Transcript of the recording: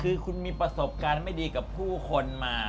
คือคุณมีประสบการณ์ไม่ดีกับผู้คนมา